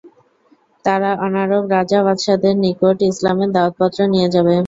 তারা অনারব রাজা-বাদশাহদের নিকট ইসলামের দাওয়াতপত্র নিয়ে যাবে।